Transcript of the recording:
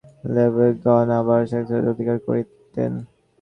দৈত্যগণ পরাস্ত ও বিতাড়িত হইলে দেবগণ আবার স্বর্গরাজ্য অধিকার করিতেন।